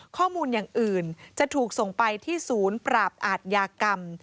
ข้อมูลอย่างอื่นจะถูกส่งไปที่ศูนย์ปราบอาทยากรรม